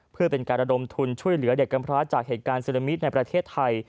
เพื่อเป็นการระดมทุนช่วยเหลือเด็กกำพร้าจากเหตุการณ์ซึนามิในประเทศไทย